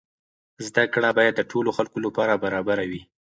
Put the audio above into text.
زده کړه باید د ټولو خلکو لپاره برابره وي.